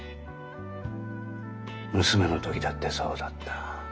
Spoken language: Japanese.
娘の時だってそうだった。